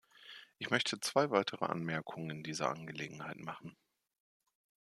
Ich möchte zwei weitere Anmerkungen in dieser Angelegenheit machen.